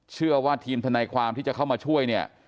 เชื่อว่าทีมทนายความที่จะเข้ามาช่วยเนี่ย